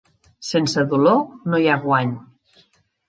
Sense dolor no hi ha guany.